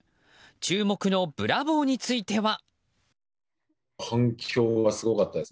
注目のブラボーについては。